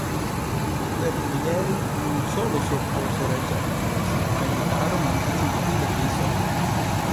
I guerriglieri non solo si opposero ai giapponesi ma aiutarono anche i civili dell'isola.